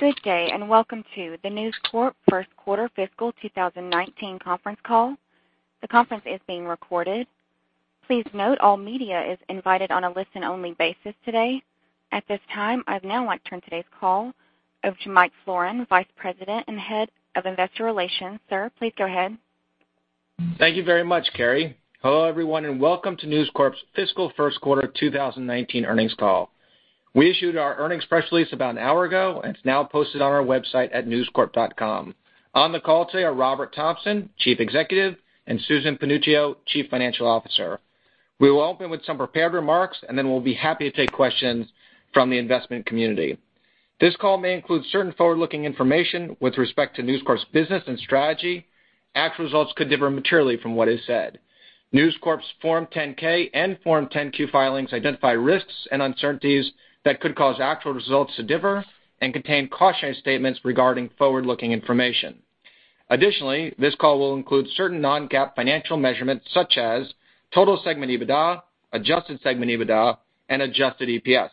Good day, welcome to the News Corp first quarter fiscal 2019 conference call. The conference is being recorded. Please note all media is invited on a listen-only basis today. At this time, I'd now like to turn today's call over to Mike Florin, Vice President and Head of Investor Relations. Sir, please go ahead. Thank you very much, Carrie. Hello, everyone, welcome to News Corp's fiscal first quarter 2019 earnings call. We issued our earnings press release about an hour ago, it's now posted on our website at newscorp.com. On the call today are Robert Thomson, Chief Executive, and Susan Panuccio, Chief Financial Officer. We will open with some prepared remarks, then we'll be happy to take questions from the investment community. This call may include certain forward-looking information with respect to News Corp's business and strategy. Actual results could differ materially from what is said. News Corp's Form 10-K and Form 10-Q filings identify risks and uncertainties that could cause actual results to differ and contain cautionary statements regarding forward-looking information. Additionally, this call will include certain non-GAAP financial measurements such as total segment EBITDA, adjusted segment EBITDA, and adjusted EPS.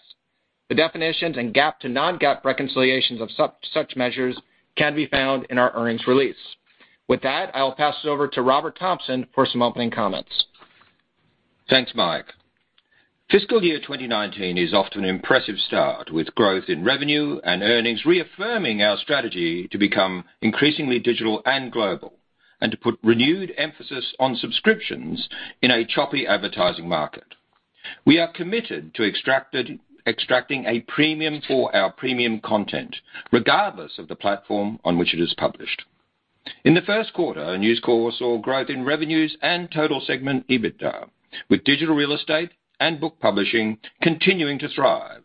The definitions and GAAP to non-GAAP reconciliations of such measures can be found in our earnings release. With that, I will pass it over to Robert Thomson for some opening comments. Thanks, Mike. Fiscal year 2019 is off to an impressive start, with growth in revenue and earnings reaffirming our strategy to become increasingly digital and global, to put renewed emphasis on subscriptions in a choppy advertising market. We are committed to extracting a premium for our premium content, regardless of the platform on which it is published. In the first quarter, News Corp saw growth in revenues and total segment EBITDA, with digital real estate and book publishing continuing to thrive,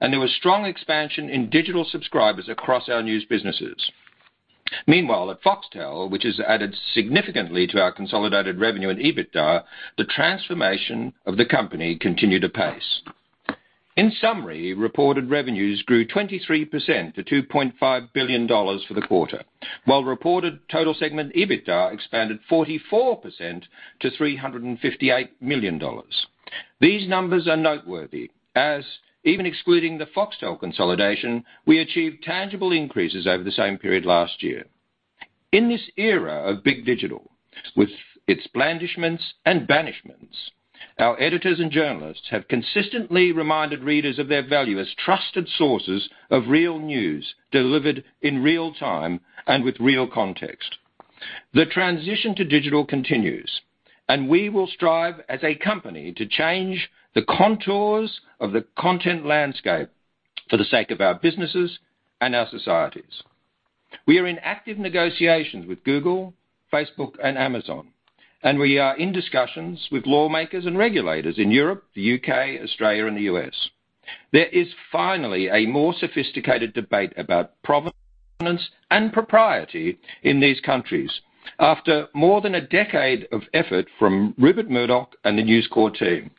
there was strong expansion in digital subscribers across our news businesses. Meanwhile, at Foxtel, which has added significantly to our consolidated revenue and EBITDA, the transformation of the company continued apace. In summary, reported revenues grew 23% to $2.5 billion for the quarter, while reported total segment EBITDA expanded 44% to $358 million. These numbers are noteworthy, as even excluding the Foxtel consolidation, we achieved tangible increases over the same period last year. In this era of big digital, with its blandishments and banishments, our editors and journalists have consistently reminded readers of their value as trusted sources of real news delivered in real-time and with real context. The transition to digital continues, and we will strive as a company to change the contours of the content landscape for the sake of our businesses and our societies. We are in active negotiations with Google, Facebook, and Amazon, and we are in discussions with lawmakers and regulators in Europe, the U.K., Australia, and the U.S. There is finally a more sophisticated debate about provenance and propriety in these countries after more than a decade of effort from Rupert Murdoch and the News Corp team.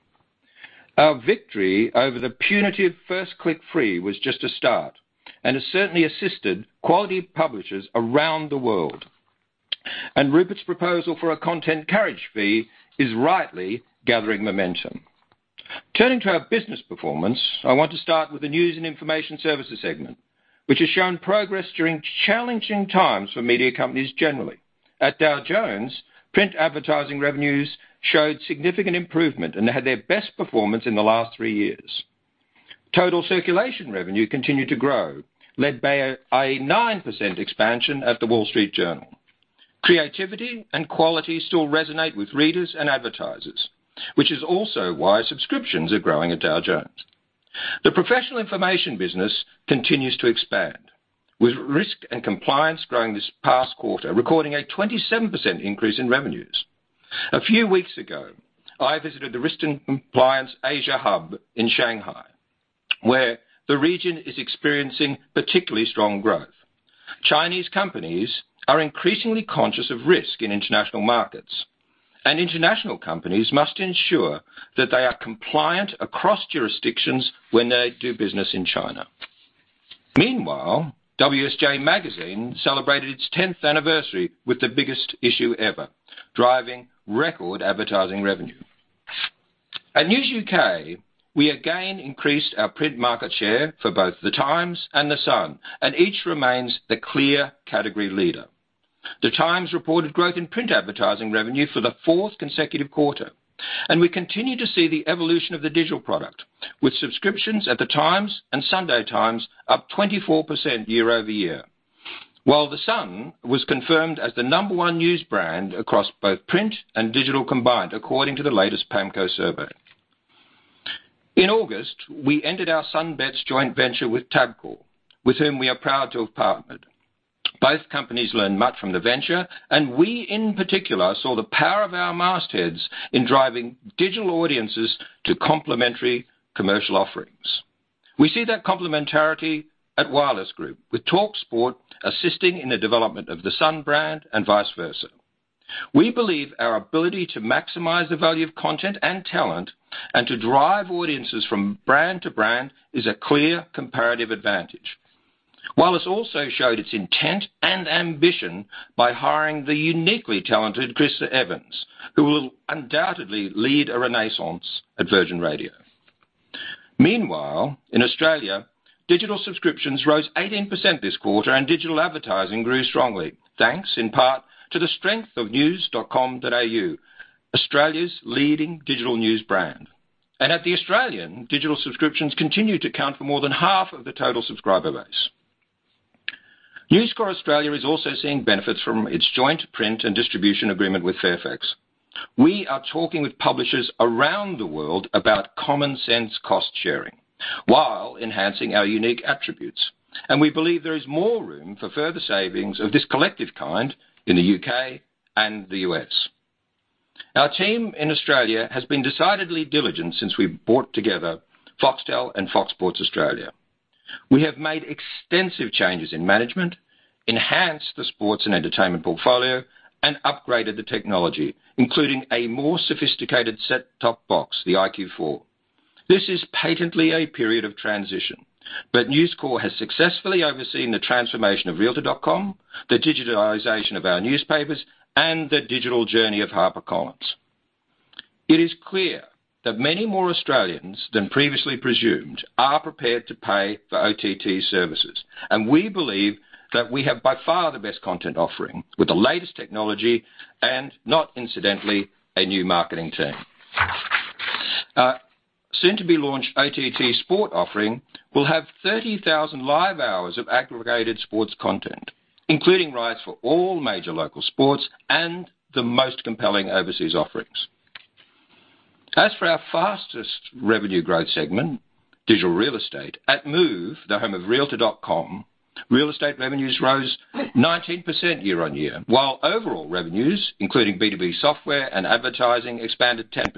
Our victory over the punitive First Click Free was just a start and has certainly assisted quality publishers around the world. Rupert's proposal for a content carriage fee is rightly gathering momentum. Turning to our business performance, I want to start with the News and Information Services segment, which has shown progress during challenging times for media companies generally. At Dow Jones, print advertising revenues showed significant improvement and had their best performance in the last three years. Total circulation revenue continued to grow, led by a 9% expansion at The Wall Street Journal. Creativity and quality still resonate with readers and advertisers, which is also why subscriptions are growing at Dow Jones. The professional information business continues to expand, with Risk and Compliance growing this past quarter, recording a 27% increase in revenues. A few weeks ago, I visited the Risk and Compliance Asia hub in Shanghai, where the region is experiencing particularly strong growth. Chinese companies are increasingly conscious of risk in international markets, and international companies must ensure that they are compliant across jurisdictions when they do business in China. Meanwhile, WSJ. Magazine celebrated its 10th anniversary with the biggest issue ever, driving record advertising revenue. At News UK, we again increased our print market share for both The Times and The Sun, and each remains the clear category leader. The Times reported growth in print advertising revenue for the fourth consecutive quarter, and we continue to see the evolution of the digital product, with subscriptions at The Times and The Sunday Times up 24% year-over-year. While The Sun was confirmed as the number one news brand across both print and digital combined, according to the latest PAMCo survey. In August, we ended our Sun Bets joint venture with Tabcorp, with whom we are proud to have partnered. Both companies learned much from the venture, and we in particular saw the power of our mastheads in driving digital audiences to complementary commercial offerings. We see that complementarity at Wireless Group, with Talksport assisting in the development of The Sun brand and vice versa. We believe our ability to maximize the value of content and talent and to drive audiences from brand to brand is a clear comparative advantage. Wireless also showed its intent and ambition by hiring the uniquely talented Chris Evans, who will undoubtedly lead a renaissance at Virgin Radio. Meanwhile, in Australia, digital subscriptions rose 18% this quarter, and digital advertising grew strongly. Thanks in part to the strength of news.com.au, Australia's leading digital news brand. At The Australian, digital subscriptions continue to count for more than half of the total subscriber base. News Corp Australia is also seeing benefits from its joint print and distribution agreement with Fairfax. We are talking with publishers around the world about common sense cost-sharing while enhancing our unique attributes. We believe there is more room for further savings of this collective kind in the U.K. and the U.S. Our team in Australia has been decidedly diligent since we've brought together Foxtel and Fox Sports Australia. We have made extensive changes in management, enhanced the sports and entertainment portfolio, and upgraded the technology, including a more sophisticated set-top box, the iQ4. This is patently a period of transition. News Corp has successfully overseen the transformation of realtor.com, the digitalization of our newspapers, and the digital journey of HarperCollins. It is clear that many more Australians than previously presumed are prepared to pay for OTT services. We believe that we have by far the best content offering with the latest technology and not incidentally, a new marketing team. Our soon-to-be-launched OTT sport offering will have 30,000 live hours of aggregated sports content, including rights for all major local sports and the most compelling overseas offerings. As for our fastest revenue growth segment, digital real estate at Move, the home of realtor.com, real estate revenues rose 19% year-on-year, while overall revenues, including B2B software and advertising, expanded 10%.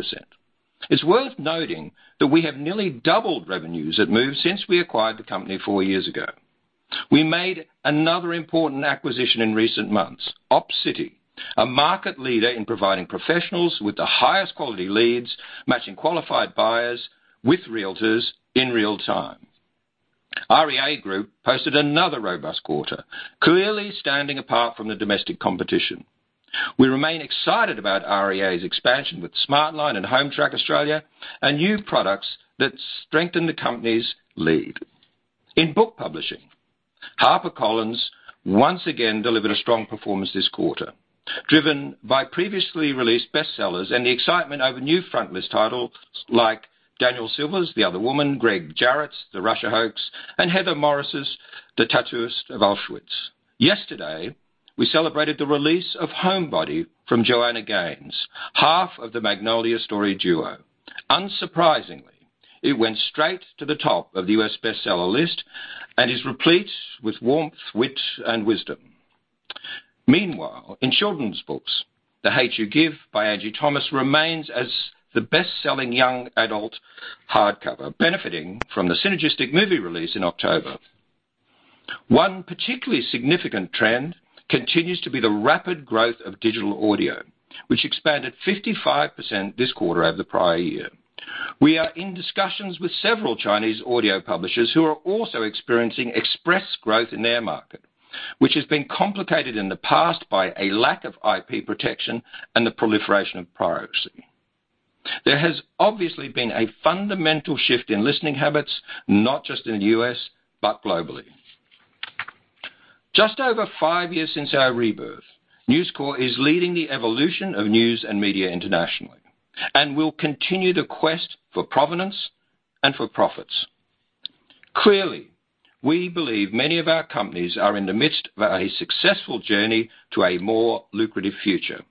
It's worth noting that we have nearly doubled revenues at Move since we acquired the company four years ago. We made another important acquisition in recent months, Opcity, a market leader in providing professionals with the highest quality leads, matching qualified buyers with realtors in real time. REA Group posted another robust quarter, clearly standing apart from the domestic competition. We remain excited about REA's expansion with Smartline and Hometrack Australia and new products that strengthen the company's lead. In book publishing, HarperCollins once again delivered a strong performance this quarter, driven by previously released bestsellers and the excitement over new frontlist titles like Daniel Silva's "The Other Woman," Gregg Jarrett's "The Russia Hoax," and Heather Morris's "The Tattooist of Auschwitz." Yesterday, we celebrated the release of "Homebody" from Joanna Gaines, half of The Magnolia Story duo. Unsurprisingly, it went straight to the top of the U.S. bestseller list and is replete with warmth, wit, and wisdom. Meanwhile, in children's books, "The Hate U Give" by Angie Thomas remains as the best-selling young adult hardcover, benefiting from the synergistic movie release in October. One particularly significant trend continues to be the rapid growth of digital audio, which expanded 55% this quarter over the prior year. We are in discussions with several Chinese audio publishers who are also experiencing express growth in their market, which has been complicated in the past by a lack of IP protection and the proliferation of piracy. There has obviously been a fundamental shift in listening habits, not just in the U.S., but globally. Just over five years since our rebirth, News Corp is leading the evolution of news and media internationally and will continue to quest for provenance and for profits. Clearly, we believe many of our companies are in the midst of a successful journey to a more lucrative future.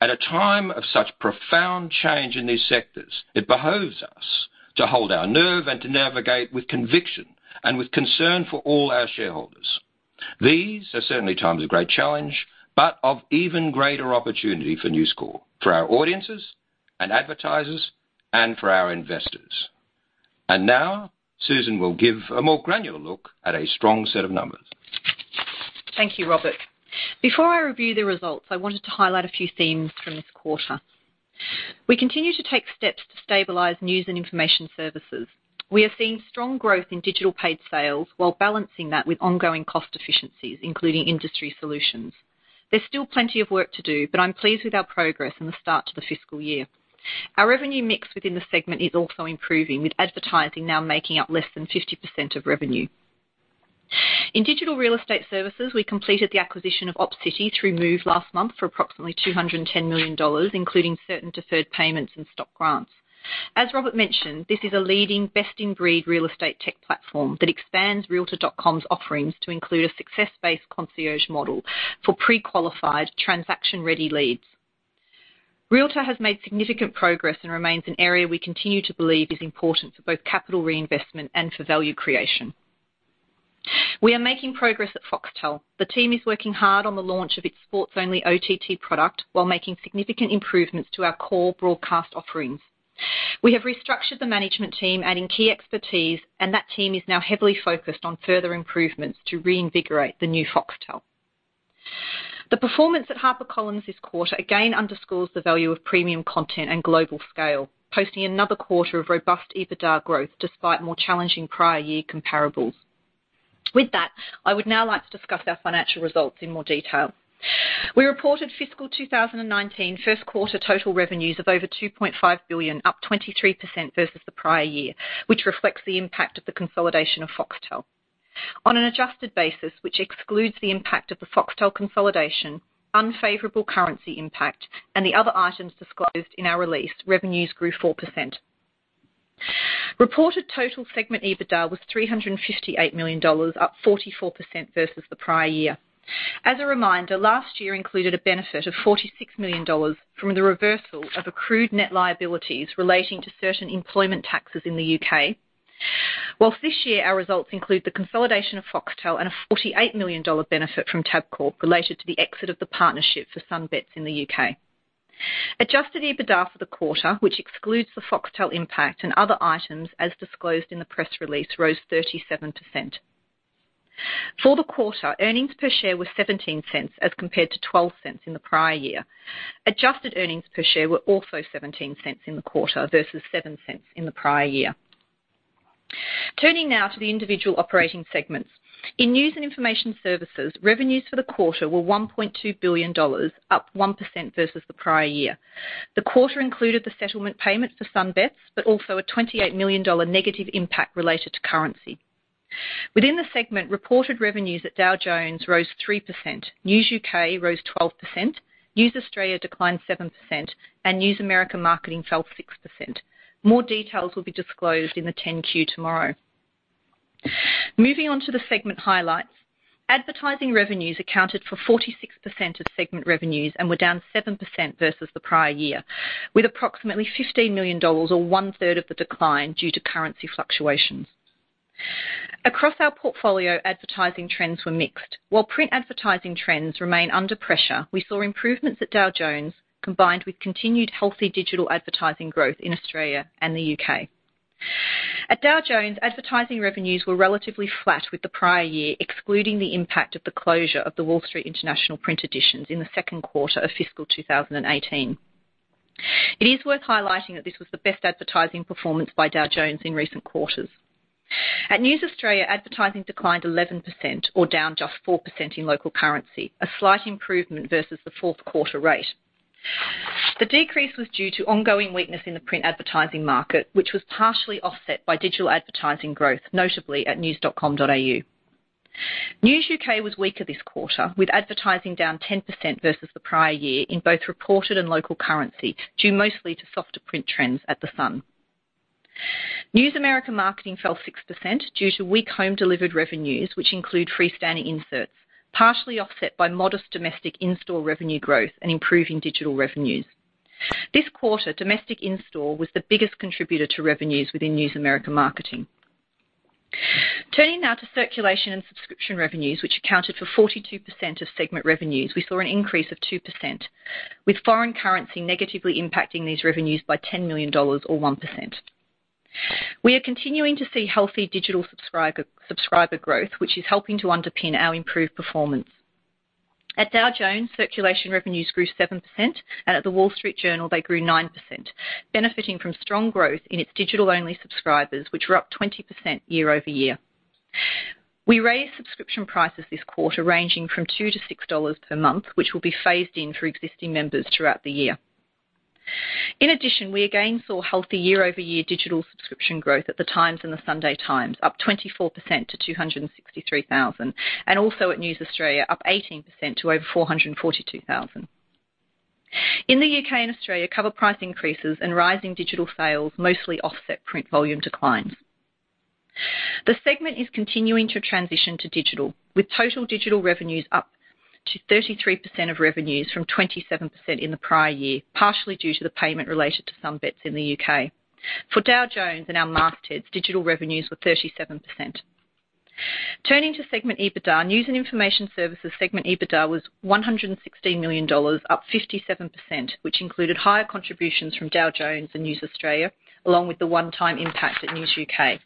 At a time of such profound change in these sectors, it behoves us to hold our nerve and to navigate with conviction and with concern for all our shareholders. These are certainly times of great challenge, but of even greater opportunity for News Corp, for our audiences and advertisers, and for our investors. Now Susan will give a more granular look at a strong set of numbers. Thank you, Robert. Before I review the results, I wanted to highlight a few themes from this quarter. We continue to take steps to stabilize news and information services. We have seen strong growth in digital paid sales while balancing that with ongoing cost efficiencies, including industry solutions. There is still plenty of work to do, but I am pleased with our progress and the start to the fiscal year. Our revenue mix within the segment is also improving, with advertising now making up less than 50% of revenue. In digital real estate services, we completed the acquisition of Opcity through Move last month for approximately $210 million, including certain deferred payments and stock grants. As Robert mentioned, this is a leading best-in-breed real estate tech platform that expands realtor.com's offerings to include a success-based concierge model for pre-qualified, transaction-ready leads. Realtor has made significant progress and remains an area we continue to believe is important for both capital reinvestment and for value creation. We are making progress at Foxtel. The team is working hard on the launch of its sports-only OTT product while making significant improvements to our core broadcast offerings. We have restructured the management team, adding key expertise, and that team is now heavily focused on further improvements to reinvigorate the new Foxtel. The performance at HarperCollins this quarter again underscores the value of premium content and global scale, posting another quarter of robust EBITDA growth despite more challenging prior year comparables. With that, I would now like to discuss our financial results in more detail. We reported fiscal 2019 first quarter total revenues of over $2.5 billion, up 23% versus the prior year, which reflects the impact of the consolidation of Foxtel. On an adjusted basis, which excludes the impact of the Foxtel consolidation, unfavorable currency impact, and the other items disclosed in our release, revenues grew 4%. Reported total segment EBITDA was $358 million, up 44% versus the prior year. As a reminder, last year included a benefit of $46 million from the reversal of accrued net liabilities relating to certain employment taxes in the U.K. Whilst this year, our results include the consolidation of Foxtel and a $48 million benefit from Tabcorp related to the exit of the partnership for Sun Bets in the U.K. Adjusted EBITDA for the quarter, which excludes the Foxtel impact and other items as disclosed in the press release, rose 37%. For the quarter, earnings per share were $0.17, as compared to $0.12 in the prior year. Adjusted earnings per share were also $0.17 in the quarter versus $0.07 in the prior year. Turning now to the individual operating segments. In News and Information Services, revenues for the quarter were $1.2 billion, up 1% versus the prior year. The quarter included the settlement payments for Sun Bets, also a $28 million negative impact related to currency. Within the segment, reported revenues at Dow Jones rose 3%, News UK rose 12%, News Australia declined 7%, and News America Marketing fell 6%. More details will be disclosed in the 10-Q tomorrow. Moving on to the segment highlights. Advertising revenues accounted for 46% of segment revenues, were down 7% versus the prior year, with approximately $15 million or one-third of the decline due to currency fluctuations. Across our portfolio, advertising trends were mixed. While print advertising trends remain under pressure, we saw improvements at Dow Jones combined with continued healthy digital advertising growth in Australia and the U.K. At Dow Jones, advertising revenues were relatively flat with the prior year, excluding the impact of the closure of the Wall Street International print editions in the second quarter of fiscal 2018. It is worth highlighting that this was the best advertising performance by Dow Jones in recent quarters. At News Australia, advertising declined 11%, or down just 4% in local currency, a slight improvement versus the fourth quarter rate. The decrease was due to ongoing weakness in the print advertising market, which was partially offset by digital advertising growth, notably at news.com.au. News UK was weaker this quarter, with advertising down 10% versus the prior year in both reported and local currency, due mostly to softer print trends at The Sun. News America Marketing fell 6% due to weak home-delivered revenues, which include freestanding inserts, partially offset by modest domestic in-store revenue growth and improving digital revenues. This quarter, domestic in-store was the biggest contributor to revenues within News America Marketing. Turning now to circulation and subscription revenues, which accounted for 42% of segment revenues, we saw an increase of 2%, with foreign currency negatively impacting these revenues by $10 million or 1%. We are continuing to see healthy digital subscriber growth, which is helping to underpin our improved performance. At Dow Jones, circulation revenues grew 7%, and at The Wall Street Journal, they grew 9%, benefiting from strong growth in its digital-only subscribers, which were up 20% year-over-year. We raised subscription prices this quarter, ranging from $2-$6 per month, which will be phased in for existing members throughout the year. In addition, we again saw healthy year-over-year digital subscription growth at The Times and The Sunday Times, up 24% to 263,000, and also at News Australia, up 18% to over 442,000. In the U.K. and Australia, cover price increases and rising digital sales mostly offset print volume declines. The segment is continuing to transition to digital, with total digital revenues up to 33% of revenues from 27% in the prior year, partially due to the payment related to Sun Bets in the U.K. For Dow Jones and our mastheads, digital revenues were 37%. Turning to segment EBITDA, News and Information Services segment EBITDA was $116 million, up 57%, which included higher contributions from Dow Jones and News Australia, along with the one-time impact at News UK.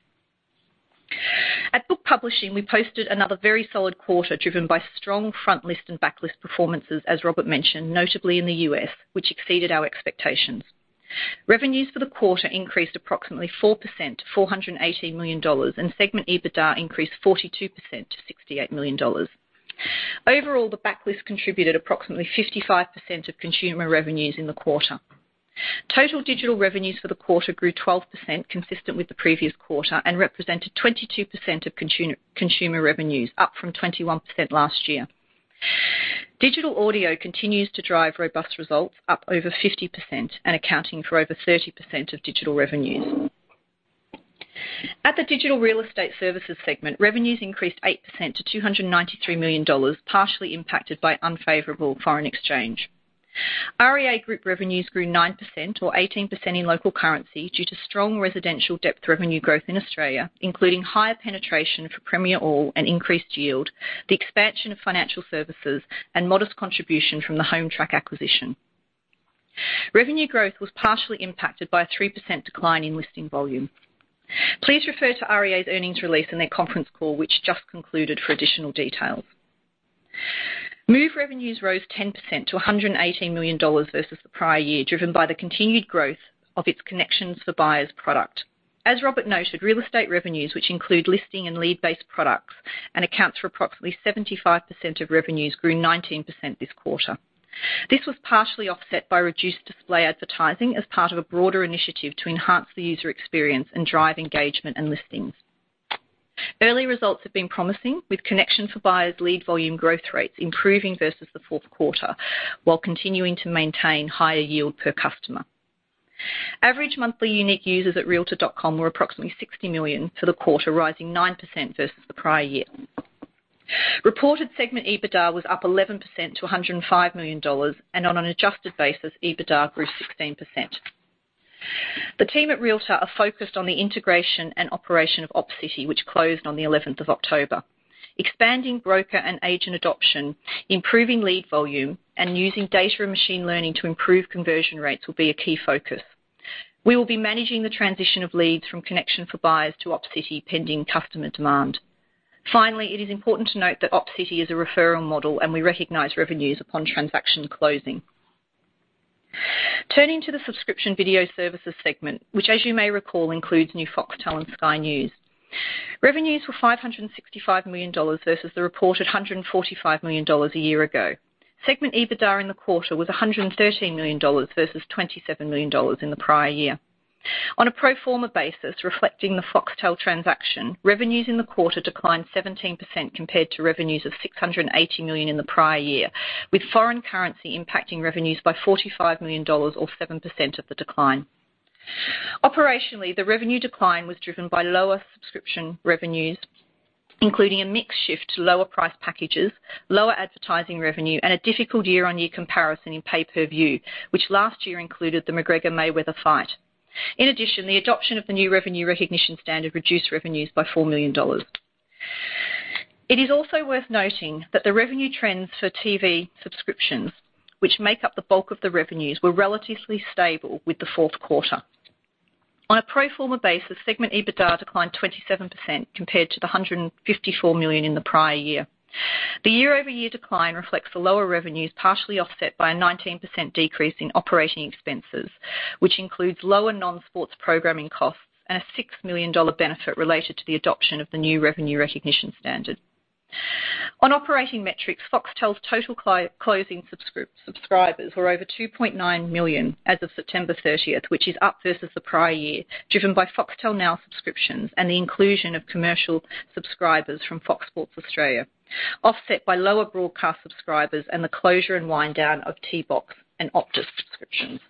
At book publishing, we posted another very solid quarter driven by strong frontlist and backlist performances, as Robert mentioned, notably in the U.S., which exceeded our expectations. Revenues for the quarter increased approximately 4% to $480 million, and segment EBITDA increased 42% to $68 million. Overall, the backlist contributed approximately 55% of consumer revenues in the quarter. Total digital revenues for the quarter grew 12%, consistent with the previous quarter, and represented 22% of consumer revenues, up from 21% last year. Digital audio continues to drive robust results, up over 50% and accounting for over 30% of digital revenues. At the Digital Real Estate Services Segment, revenues increased 8% to $293 million, partially impacted by unfavorable foreign exchange. REA Group revenues grew 9%, or 18% in local currency, due to strong residential depth revenue growth in Australia, including higher penetration for Premier All and increased yield, the expansion of financial services, and modest contribution from the Hometrack acquisition. Revenue growth was partially impacted by a 3% decline in listing volume. Please refer to REA's earnings release and their conference call, which just concluded, for additional details. Move revenues rose 10% to $118 million versus the prior year, driven by the continued growth of its Connection for Buyers product. As Robert noted, real estate revenues, which include listing and lead-based products and accounts for approximately 75% of revenues, grew 19% this quarter. This was partially offset by reduced display advertising as part of a broader initiative to enhance the user experience and drive engagement and listings. Early results have been promising, with Connection for Buyers lead volume growth rates improving versus the fourth quarter while continuing to maintain higher yield per customer. Average monthly unique users at realtor.com were approximately $60 million for the quarter, rising 9% versus the prior year. Reported segment EBITDA was up 11% to $105 million, and on an adjusted basis, EBITDA grew 16%. The team at Realtor are focused on the integration and operation of Opcity, which closed on the 11th of October. Expanding broker and agent adoption, improving lead volume, and using data and machine learning to improve conversion rates will be a key focus. We will be managing the transition of leads from Connection for Buyers to Opcity, pending customer demand. Finally, it is important to note that Opcity is a referral model, and we recognize revenues upon transaction closing. Turning to the subscription video services segment, which as you may recall, includes new Foxtel and Sky News. Revenues were $565 million versus the reported $145 million a year ago. Segment EBITDA in the quarter was $113 million versus $27 million in the prior year. On a pro forma basis reflecting the Foxtel transaction, revenues in the quarter declined 17% compared to revenues of $680 million in the prior year, with foreign currency impacting revenues by $45 million or 7% of the decline. Operationally, the revenue decline was driven by lower subscription revenues, including a mix shift to lower price packages, lower advertising revenue, and a difficult year-on-year comparison in pay-per-view, which last year included the Mayweather vs. McGregor fight. In addition, the adoption of the new revenue recognition standard reduced revenues by $4 million. It is also worth noting that the revenue trends for TV subscriptions, which make up the bulk of the revenues, were relatively stable with the fourth quarter. On a pro forma basis, segment EBITDA declined 27% compared to the $154 million in the prior year. The year-over-year decline reflects the lower revenues, partially offset by a 19% decrease in operating expenses, which includes lower non-sports programming costs and a $6 million benefit related to the adoption of the new revenue recognition standard. On operating metrics, Foxtel's total closing subscribers were over 2.9 million as of September 30th, which is up versus the prior year, driven by Foxtel Now subscriptions and the inclusion of commercial subscribers from Fox Sports Australia, offset by lower broadcast subscribers and the closure and wind down of T-Box and Optus subscriptions.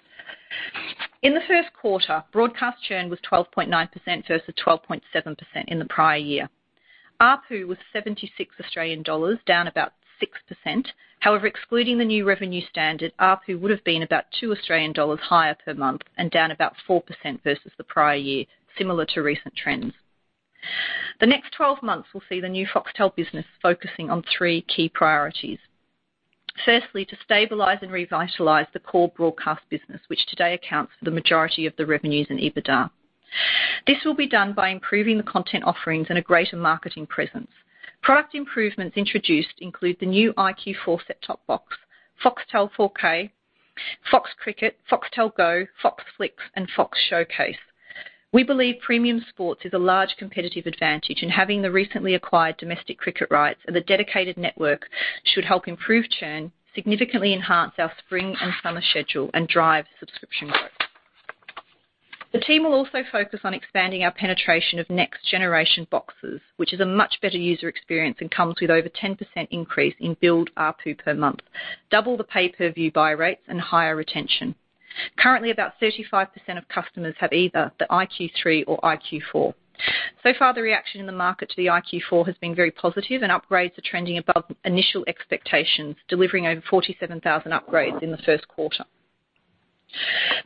In the first quarter, broadcast churn was 12.9% versus 12.7% in the prior year. ARPU was 76 Australian dollars, down about 6%. Excluding the new revenue standard, ARPU would've been about 2 Australian dollars higher per month and down about 4% versus the prior year, similar to recent trends. The next 12 months will see the new Foxtel business focusing on three key priorities. Firstly, to stabilize and revitalize the core broadcast business, which today accounts for the majority of the revenues and EBITDA. This will be done by improving the content offerings and a greater marketing presence. Product improvements introduced include the new iQ4 set-top box, Foxtel 4K, Fox Cricket, Foxtel Go, FoxFlicks, and Fox Showcase. We believe premium sports is a large competitive advantage, and having the recently acquired domestic cricket rights and the dedicated network should help improve churn, significantly enhance our spring and summer schedule, and drive subscription growth. The team will also focus on expanding our penetration of next-generation boxes, which is a much better user experience and comes with over 10% increase in billed ARPU per month, double the pay-per-view buy rates, and higher retention. Currently, about 35% of customers have either the iQ3 or iQ4. The reaction in the market to the iQ4 has been very positive, and upgrades are trending above initial expectations, delivering over 47,000 upgrades in the first quarter.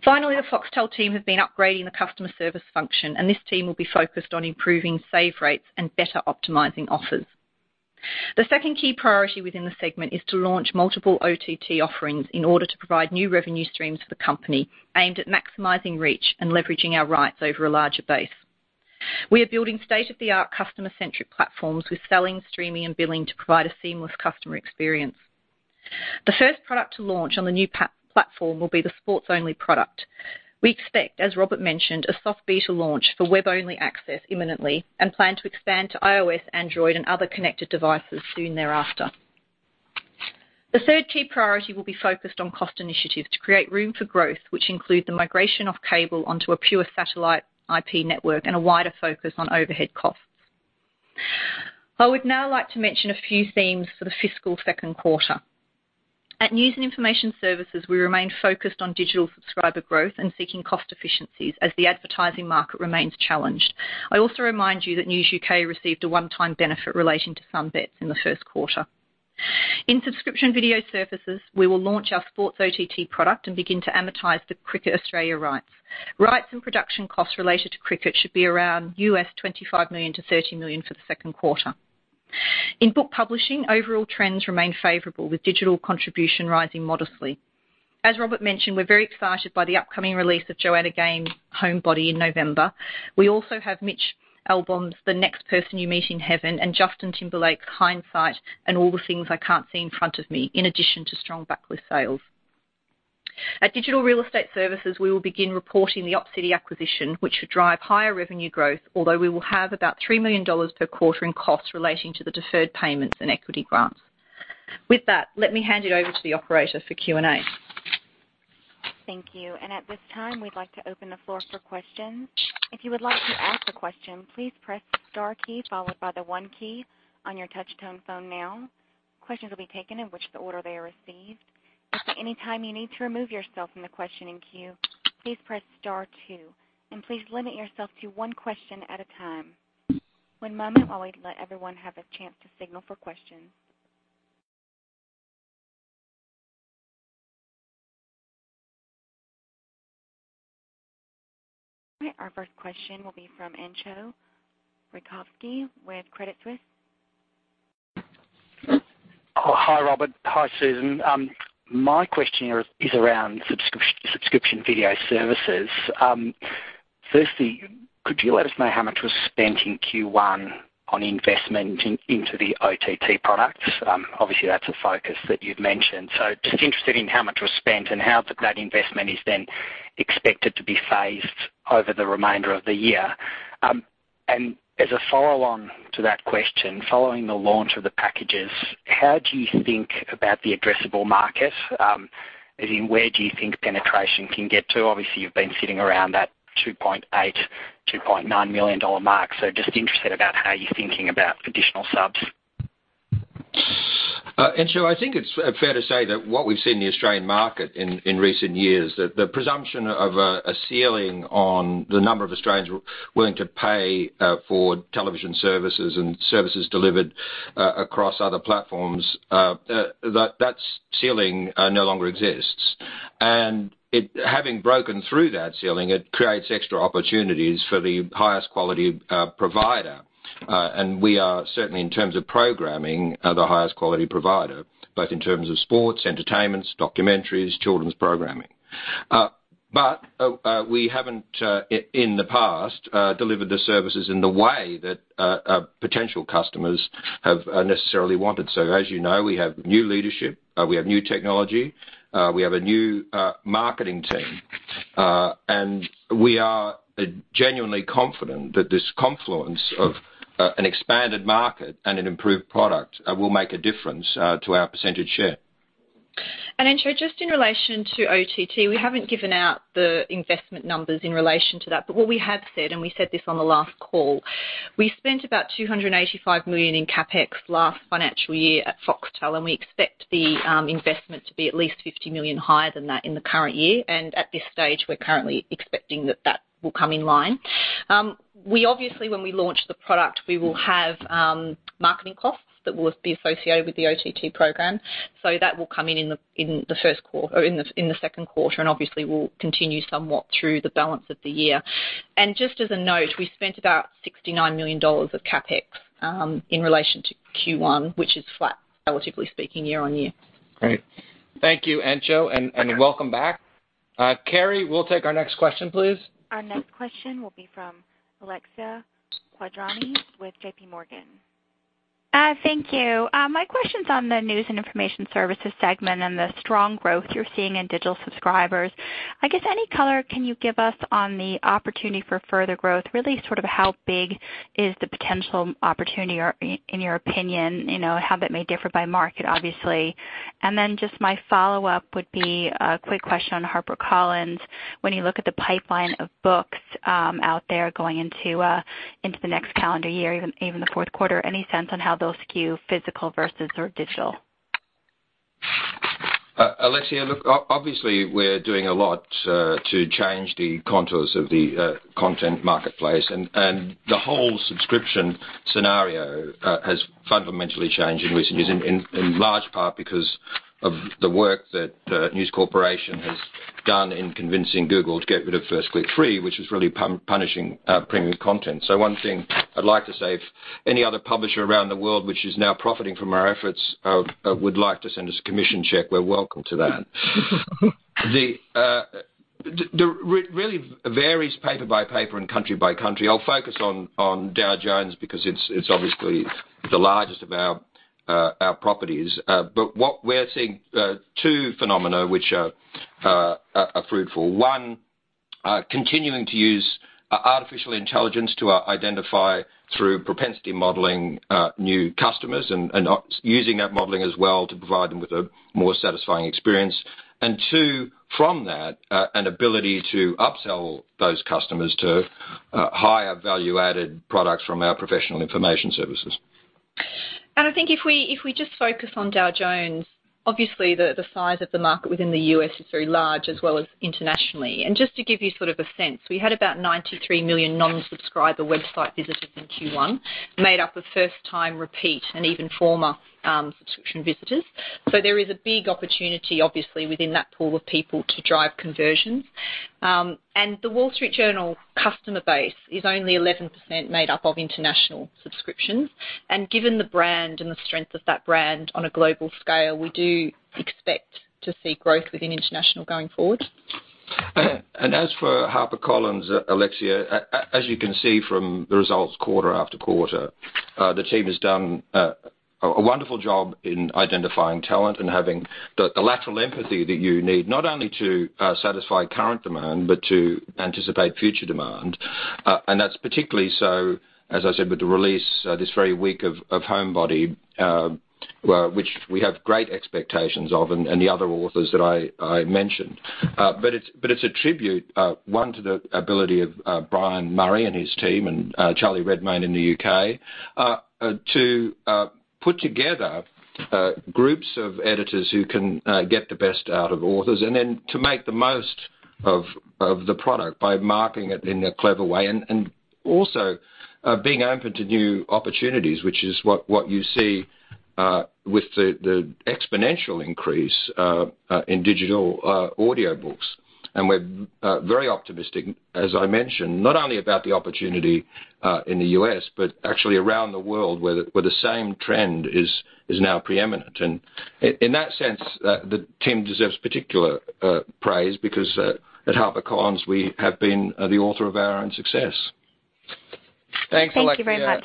Finally, the Foxtel team have been upgrading the customer service function, and this team will be focused on improving save rates and better optimizing offers. The second key priority within the segment is to launch multiple OTT offerings in order to provide new revenue streams for the company aimed at maximizing reach and leveraging our rights over a larger base. We are building state-of-the-art customer-centric platforms with selling, streaming, and billing to provide a seamless customer experience. The first product to launch on the new platform will be the sports-only product. We expect, as Robert mentioned, a soft beta launch for web-only access imminently and plan to expand to iOS, Android, and other connected devices soon thereafter. The third key priority will be focused on cost initiatives to create room for growth, which include the migration of cable onto a pure satellite IP network and a wider focus on overhead costs. I would now like to mention a few themes for the fiscal second quarter. At News and Information Services, we remain focused on digital subscriber growth and seeking cost efficiencies as the advertising market remains challenged. I also remind you that News UK received a one-time benefit relating to Sun Bets in the first quarter. In subscription video services, we will launch our sports OTT product and begin to amortize the Cricket Australia rights. Rights and production costs related to cricket should be around $25 million-$30 million for the second quarter. In book publishing, overall trends remain favorable, with digital contribution rising modestly. As Robert mentioned, we are very excited by the upcoming release of Joanna Gaines' Homebody in November. We also have Mitch Albom's "The Next Person You Meet in Heaven," and Justin Timberlake's "Hindsight: & All the Things I Can't See in Front of Me," in addition to strong backlist sales. At digital real estate services, we will begin reporting the Opcity acquisition, which should drive higher revenue growth, although we will have about $3 million per quarter in costs relating to the deferred payments and equity grants. With that, let me hand it over to the operator for Q&A. Thank you. At this time, we would like to open the floor for questions. If you would like to ask a question, please press star key followed by the 1 key on your touch tone phone now. Questions will be taken in which the order they are received. If at any time you need to remove yourself from the questioning queue, please press star 2, and please limit yourself to one question at a time. One moment while we let everyone have a chance to signal for questions. Okay, our first question will be from Entcho Raykovski with Credit Suisse. Hi, Robert. Hi, Susan. My question is around subscription video services. Firstly, could you let us know how much was spent in Q1 on investment into the OTT products? Obviously, that's a focus that you've mentioned. Just interested in how much was spent and how that investment is then expected to be phased over the remainder of the year. As a follow-on to that question, following the launch of the packages, how do you think about the addressable market? As in, where do you think penetration can get to? Obviously, you've been sitting around that $2.8 million-$2.9 million mark, so just interested about how you are thinking about additional subs. Entcho, I think it's fair to say that what we've seen in the Australian market in recent years, the presumption of a ceiling on the number of Australians willing to pay for television services and services delivered across other platforms, that ceiling no longer exists. It having broken through that ceiling, it creates extra opportunities for the highest quality provider. We are certainly, in terms of programming, the highest quality provider, both in terms of sports, entertainments, documentaries, children's programming. We haven't, in the past, delivered the services in the way that potential customers have necessarily wanted. As you know, we have new leadership, we have new technology, we have a new marketing team, and we are genuinely confident that this confluence of an expanded market and an improved product will make a difference to our percentage share. Entcho, just in relation to OTT, we haven't given out the investment numbers in relation to that. What we have said, and we said this on the last call, we spent about $285 million in CapEx last financial year at Foxtel, and we expect the investment to be at least $50 million higher than that in the current year. At this stage, we're currently expecting that that will come in line. We obviously, when we launch the product, we will have marketing costs that will be associated with the OTT program. That will come in the second quarter, and obviously will continue somewhat through the balance of the year. Just as a note, we spent about $69 million of CapEx, in relation to Q1, which is flat, relatively speaking, year-on-year. Great. Thank you, Entcho, and welcome back. Carrie, we'll take our next question, please. Our next question will be from Alexia Quadrani with J.P. Morgan. Thank you. My question's on the News and Information Services segment and the strong growth you're seeing in digital subscribers. I guess any color can you give us on the opportunity for further growth? Really sort of how big is the potential opportunity or in your opinion, how that may differ by market, obviously. Then just my follow-up would be a quick question on HarperCollins. When you look at the pipeline of books out there going into the next calendar year, even the fourth quarter, any sense on how those skew physical versus or digital? Alexia, look, obviously, we're doing a lot to change the contours of the content marketplace, the whole subscription scenario has fundamentally changed in recent years, in large part because of the work that News Corporation has done in convincing Google to get rid of First Click Free, which is really punishing premium content. One thing I'd like to say, if any other publisher around the world which is now profiting from our efforts would like to send us a commission check, we're welcome to that. It really varies paper by paper and country by country. I'll focus on Dow Jones because it's obviously the largest of our properties. What we're seeing two phenomena which are fruitful. One, continuing to use artificial intelligence to identify through propensity modeling, new customers and using that modeling as well to provide them with a more satisfying experience. Two, from that, an ability to upsell those customers to higher value-added products from our professional information services. I think if we just focus on Dow Jones, obviously the size of the market within the U.S. is very large, as well as internationally. Just to give you sort of a sense, we had about 93 million non-subscriber website visitors in Q1, made up of first time repeat and even former subscription visitors. There is a big opportunity, obviously, within that pool of people to drive conversions. The Wall Street Journal customer base is only 11% made up of international subscriptions. Given the brand and the strength of that brand on a global scale, we do expect to see growth within international going forward. As for HarperCollins, Alexia, as you can see from the results quarter after quarter, the team has done a wonderful job in identifying talent and having the lateral empathy that you need, not only to satisfy current demand but to anticipate future demand. That's particularly so, as I said, with the release this very week of "Homebody," which we have great expectations of, and the other authors that I mentioned. It's a tribute, one, to the ability of Brian Murray and his team and Charlie Redmayne in the U.K., to put together groups of editors who can get the best out of authors, and then to make the most of the product by marketing it in a clever way. Also being open to new opportunities, which is what you see with the exponential increase in digital audiobooks. We're very optimistic, as I mentioned, not only about the opportunity in the U.S., but actually around the world, where the same trend is now preeminent. In that sense, the team deserves particular praise because at HarperCollins, we have been the author of our own success. Thanks, Alexia. Thank you very much.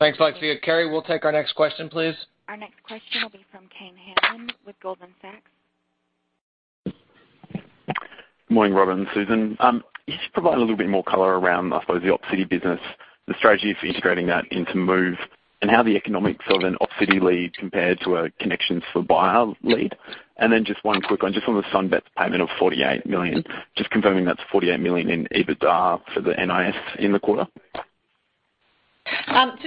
Thanks, Alexia. Carrie, we'll take our next question, please. Our next question will be from Kane Hannan with Goldman Sachs. Good morning, Rob and Susan. Can you just provide a little bit more color around, I suppose, the Opcity business, the strategy for integrating that into Move, and how the economics of an Opcity lead compare to a Connection for Buyers lead? Just one quick one just on the Sun Bets payment of $48 million. Just confirming that's $48 million in EBITDA for the NIS in the quarter.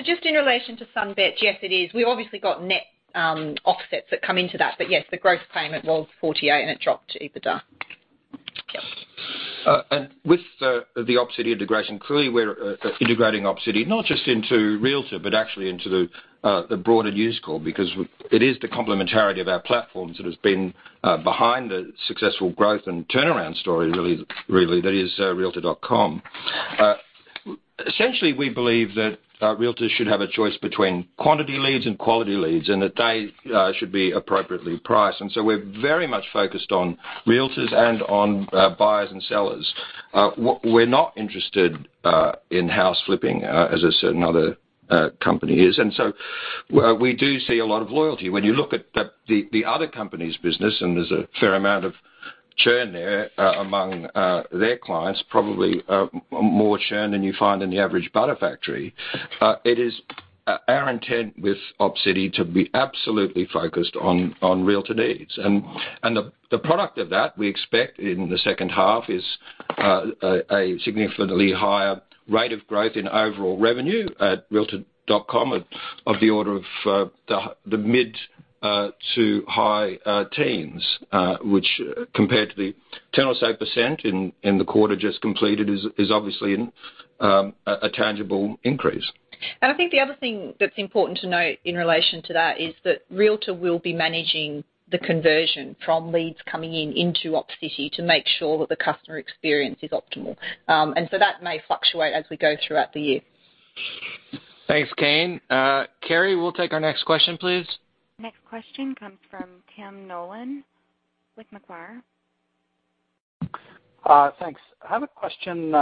Just in relation to Sun Bets, yes, it is. We obviously got net offsets that come into that. But yes, the gross payment was $48, and it dropped to EBITDA. Yeah. With the Opcity integration, clearly we're integrating Opcity not just into realtor.com, but actually into the broader News Corp, because it is the complementarity of our platforms that has been behind the successful growth and turnaround story, really, that is realtor.com. Essentially, we believe that realtors should have a choice between quantity leads and quality leads, and that they should be appropriately priced. We're very much focused on realtors and on buyers and sellers. We're not interested in house flipping, as a certain other company is. We do see a lot of loyalty. When you look at the other company's business, and there's a fair amount of churn there among their clients, probably more churn than you find in the average butter factory. It is our intent with Opcity to be absolutely focused on realtor needs. The product of that, we expect in the second half, is a significantly higher rate of growth in overall revenue at realtor.com of the order of the mid to high teens, which compared to the 10% or so in the quarter just completed, is obviously a tangible increase. I think the other thing that's important to note in relation to that is that Realtor will be managing the conversion from leads coming in into Opcity to make sure that the customer experience is optimal. That may fluctuate as we go throughout the year. Thanks, Kane. Carrie, we'll take our next question, please. Next question comes from Tim Nollen with Macquarie. Thanks. I have a question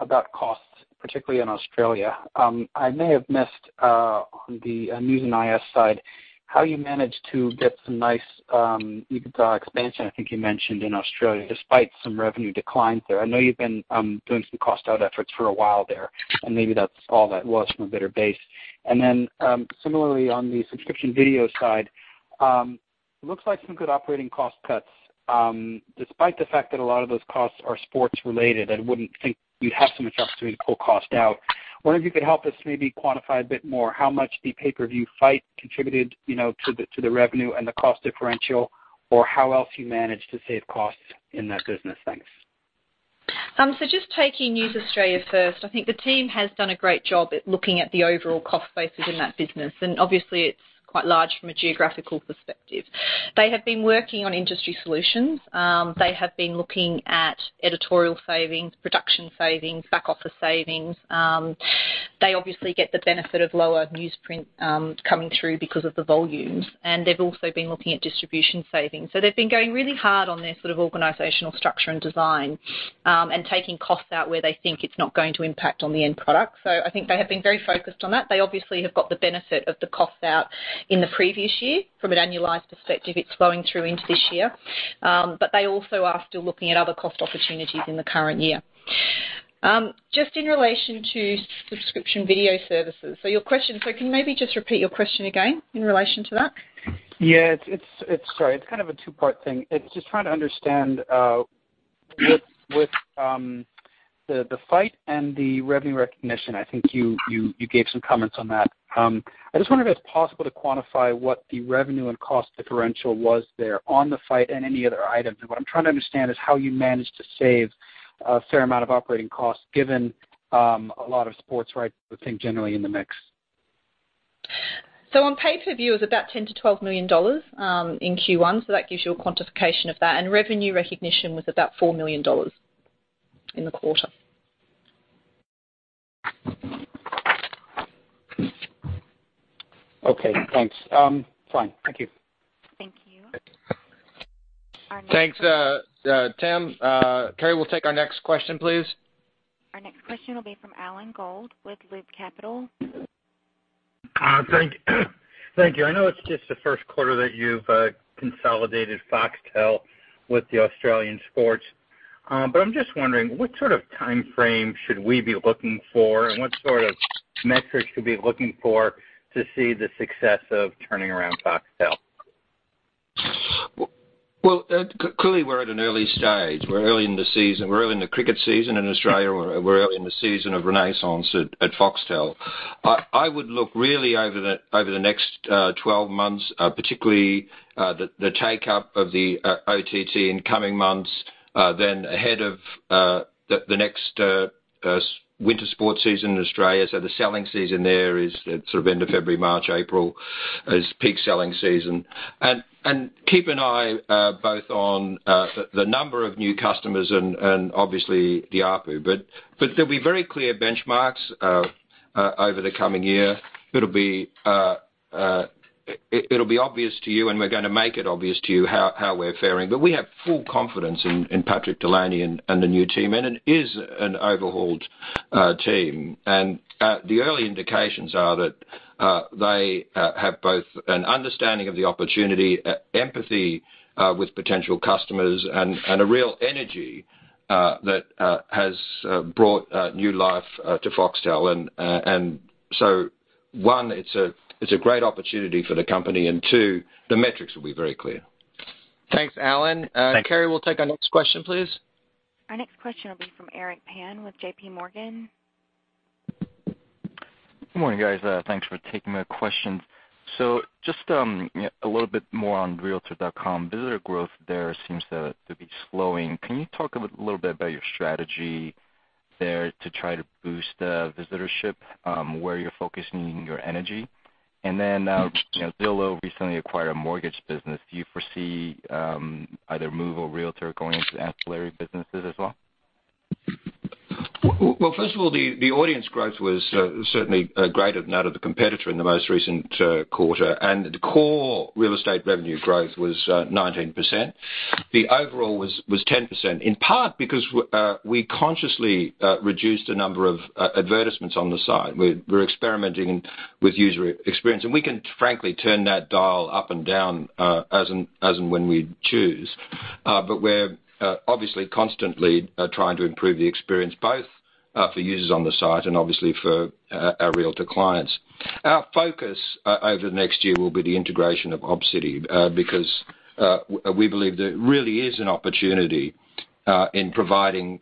about costs, particularly in Australia. I may have missed on the News NIS side how you managed to get some nice EBITDA expansion, I think you mentioned, in Australia, despite some revenue declines there. I know you've been doing some cost out efforts for a while there. Maybe that's all that was from a better base. Similarly, on the subscription video side, it looks like some good operating cost cuts. Despite the fact that a lot of those costs are sports-related, I wouldn't think you'd have so much opportunity to pull cost out. I wonder if you could help us maybe quantify a bit more how much the pay-per-view fight contributed to the revenue and the cost differential or how else you managed to save costs in that business. Thanks. Just taking News Australia first, I think the team has done a great job at looking at the overall cost bases in that business. Obviously, it's quite large from a geographical perspective. They have been working on industry solutions. They have been looking at editorial savings, production savings, back office savings. They obviously get the benefit of lower newsprint coming through because of the volumes. They've also been looking at distribution savings. They've been going really hard on their sort of organizational structure and design, and taking costs out where they think it's not going to impact on the end product. I think they have been very focused on that. They obviously have got the benefit of the cost out in the previous year. From an annualized perspective, it's flowing through into this year. They also are still looking at other cost opportunities in the current year. Just in relation to subscription video services. Can you maybe just repeat your question again in relation to that? Yeah. Sorry. It's kind of a two-part thing. It's just trying to understand with the fight and the revenue recognition, I think you gave some comments on that. I just wonder if it's possible to quantify what the revenue and cost differential was there on the fight and any other items. What I'm trying to understand is how you managed to save a fair amount of operating costs given a lot of sports rights, I would think, generally in the mix. On pay-per-view, it was about $10 million-$12 million in Q1, so that gives you a quantification of that, and revenue recognition was about $4 million in the quarter. Okay, thanks. Fine. Thank you. Thank you. Thanks, Tim. Carrie, we'll take our next question, please. Our next question will be from Alan Gould with Loop Capital. Thank you. I know it's just the first quarter that you've consolidated Foxtel with the Australian sports. I'm just wondering what sort of timeframe should we be looking for and what sort of metrics should we be looking for to see the success of turning around Foxtel? Well, clearly, we're at an early stage. We're early in the season. We're early in the cricket season in Australia. We're early in the season of renaissance at Foxtel. I would look really over the next 12 months, particularly the take-up of the OTT in the coming months, then ahead of the next winter sports season in Australia. The selling season there is end of February, March, April is peak selling season. Keep an eye both on the number of new customers and obviously the ARPU. There'll be very clear benchmarks over the coming year. It'll be obvious to you, and we're going to make it obvious to you how we're fairing. We have full confidence in Patrick Delany and the new team. It is an overhauled team. The early indications are that they have both an understanding of the opportunity, empathy with potential customers, and a real energy that has brought new life to Foxtel. One, it's a great opportunity for the company, and two, the metrics will be very clear. Thanks, Alan. Thank you. Carrie, we'll take our next question, please. Our next question will be from Eric Pan with JP Morgan. Good morning, guys. Thanks for taking my questions. Just a little bit more on realtor.com. Visitor growth there seems to be slowing. Can you talk a little bit about your strategy there to try to boost the visitorship, where you're focusing your energy? Zillow recently acquired a mortgage business. Do you foresee either Move or realtor.com going into ancillary businesses as well? First of all, the audience growth was certainly greater than that of the competitor in the most recent quarter, and the core real estate revenue growth was 19%. The overall was 10%, in part because we consciously reduced the number of advertisements on the site. We're experimenting with user experience, and we can frankly turn that dial up and down as and when we choose. We're obviously constantly trying to improve the experience both for users on the site and obviously for our realtor clients. Our focus over the next year will be the integration of Opcity, because we believe there really is an opportunity in providing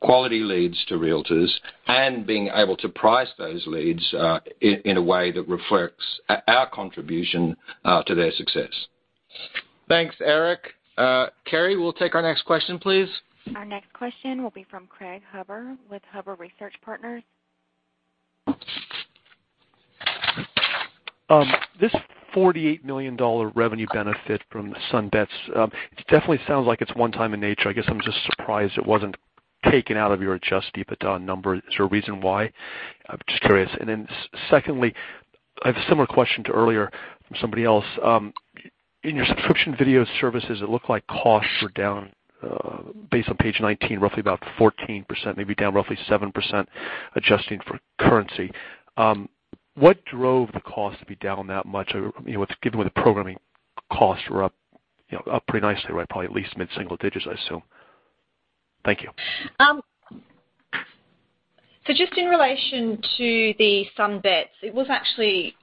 quality leads to realtors and being able to price those leads in a way that reflects our contribution to their success. Thanks, Eric. Carrie, we'll take our next question, please. Our next question will be from Craig Huber with Huber Research Partners. This $48 million revenue benefit from the Sun Bets, it definitely sounds like it's one time in nature. I guess I'm just surprised it wasn't taken out of your adjusted EBITDA number. Is there a reason why? I'm just curious. Secondly, I have a similar question to earlier from somebody else. In your subscription video services, it looked like costs were down, based on page 19, roughly about 14%, maybe down roughly 7% adjusting for currency. What drove the cost to be down that much, given where the programming costs were up pretty nicely, right? Probably at least mid-single digits, I assume. Thank you. Just in relation to the Sun Bets, it was actually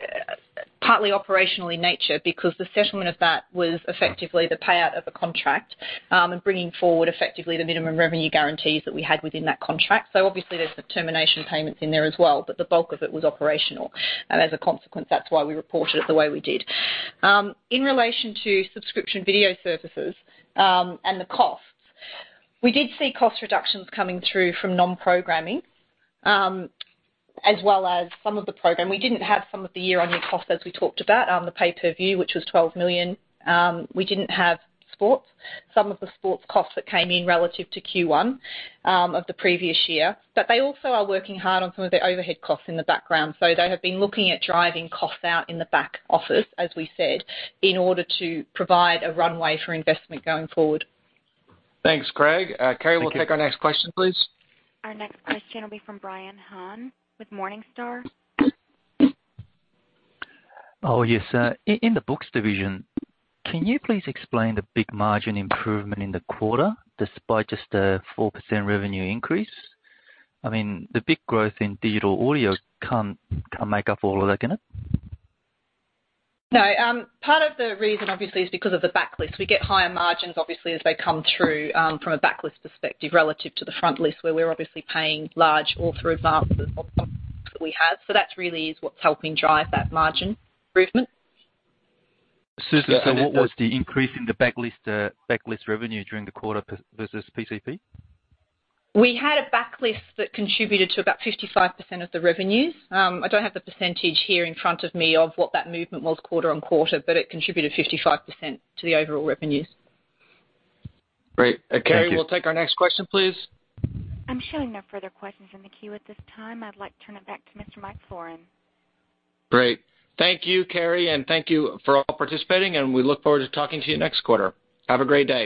partly operational in nature because the settlement of that was effectively the payout of a contract and bringing forward effectively the minimum revenue guarantees that we had within that contract. Obviously, there's some termination payments in there as well, but the bulk of it was operational. As a consequence, that's why we reported it the way we did. In relation to subscription video services and the costs, we did see cost reductions coming through from non-programming, as well as some of the program. We didn't have some of the year-on-year costs as we talked about, the pay-per-view, which was $12 million. We didn't have sports. Some of the sports costs that came in relative to Q1 of the previous year. They also are working hard on some of their overhead costs in the background. They have been looking at driving costs out in the back office, as we said, in order to provide a runway for investment going forward. Thanks, Craig. Thank you. Carrie, we'll take our next question, please. Our next question will be from Brian Han with Morningstar. Yes. In the books division, can you please explain the big margin improvement in the quarter despite just a 4% revenue increase? The big growth in digital audio can't make up all of that, can it? No. Part of the reason, obviously, is because of the backlist. We get higher margins, obviously, as they come through from a backlist perspective relative to the frontlist, where we're obviously paying large author advances that we have. That really is what's helping drive that margin improvement. Susan, what was the increase in the backlist revenue during the quarter versus PCP? We had a backlist that contributed to about 55% of the revenues. I don't have the percentage here in front of me of what that movement was quarter on quarter, but it contributed 55% to the overall revenues. Great. Thank you. Carrie, we'll take our next question, please. I'm showing no further questions in the queue at this time. I'd like to turn it back to Mr. Michael Florin. Great. Thank you, Carrie, and thank you for all participating, and we look forward to talking to you next quarter. Have a great day.